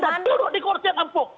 tapi anda duduk di kursi kampung